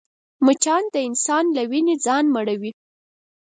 مچان د انسان له وینې ځان مړوي